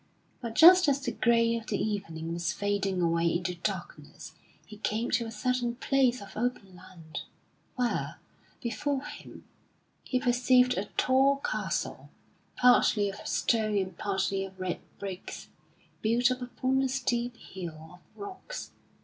But just as the gray of the evening was fading away into darkness he came to a certain place of open land, where, before him, he perceived a tall castle, partly of stone and partly of red bricks, built up upon a steep hill of rocks.